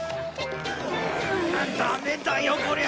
ダメだよこりゃ。